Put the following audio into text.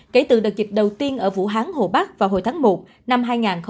kể từ đợt dịch đầu tiên ở vũ hán hồ bắc vào hồi tháng một năm hai nghìn hai mươi